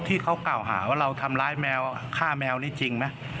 ที่เขากล่าวหาว่าเราทำร้ายแมวฆ่าแมวนี่จริงไหม